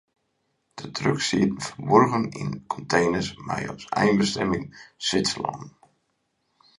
De drugs sieten ferburgen yn konteners mei as einbestimming Switserlân.